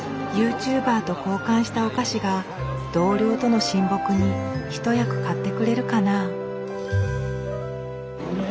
ユーチューバーと交換したお菓子が同僚との親睦に一役買ってくれるかな。